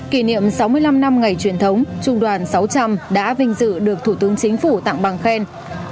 kỷ niệm sáu mươi năm năm ngày truyền thống trung đoàn sáu trăm linh đã vinh dự được thủ tướng chính phủ tặng bằng khen